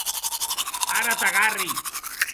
Ara t’agarri!